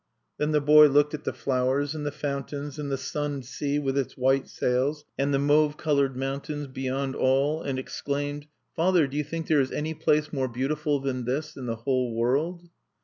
Then the boy looked at the flowers, and the fountains, and the sunned sea with its white sails, and the mauve colored mountains beyond all, and exclaimed: "Father, do you think there is any place more beautiful than this in the whole world?"